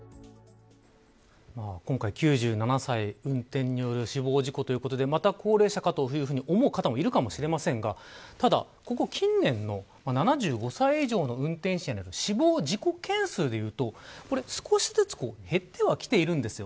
今回、９７歳運転による死亡事故ということでまた高齢者かと思う方もいるかもしれませんがただ、ここ近年の７５歳以上の運転者による死亡事故件数でいうと少しずつ減ってはきているんです。